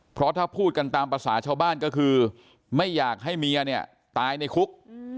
เพราะถ้าพูดกันตามภาษาชาวบ้านก็คือไม่อยากให้เมียเนี่ยตายในคุก